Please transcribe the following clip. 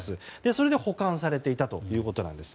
それで保管されていたということなんです。